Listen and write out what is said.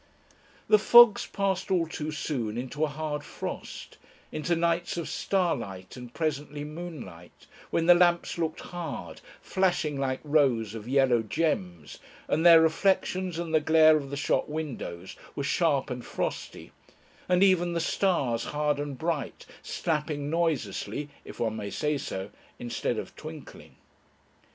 The fogs passed all too soon into a hard frost, into nights of starlight and presently moonlight, when the lamps looked hard, flashing like rows of yellow gems, and their reflections and the glare of the shop windows were sharp and frosty, and even the stars hard and bright, snapping noiselessly (if one may say so) instead of twinkling.